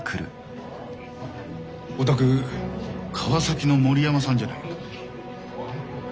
お宅川崎の森山さんじゃないか？